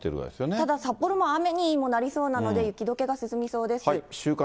ただ、札幌も雨にもなりそうなので、雪どけが進みそうです。